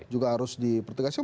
juga harus dipertegakkan